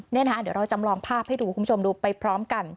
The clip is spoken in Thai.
เดี๋ยวเราจำลองภาพให้ดูคุณผู้ชมดูไปพร้อมกัน